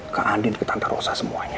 kak andin kak tantarosa semuanya